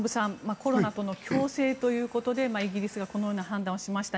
コロナとの共生ということでイギリスがこのような判断をしました。